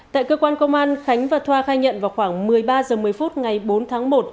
tại cơ quan công an khánh và thoa khai nhận vào khoảng một mươi ba h một mươi phút ngày bốn tháng một